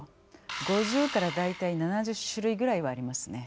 ５０から大体７０種類ぐらいはありますね。